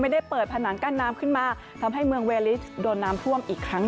ได้เปิดผนังกั้นน้ำขึ้นมาทำให้เมืองเวลิสโดนน้ำท่วมอีกครั้ง